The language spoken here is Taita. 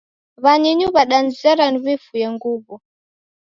W'anyinyu w'adanizera niw'ifuye nguw'o